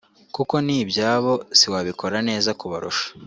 kuko ni ibyabo siwabikora neza kubarusha